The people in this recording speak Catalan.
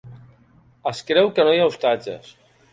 Es creu que no hi ha ostatges.